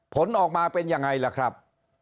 ผลออกมาเป็นยังไงล่ะครับ